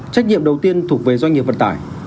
trách nhiệm đầu tiên thuộc về doanh nghiệp vận tải